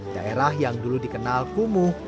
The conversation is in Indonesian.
daerah yang dulu dikenal kumuh